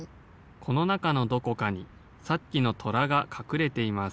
・このなかのどこかにさっきのとらがかくれています。